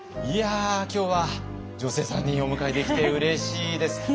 いや今日は女性３人お迎えできてうれしいです。